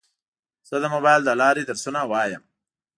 زه د موبایل له لارې درسونه وایم.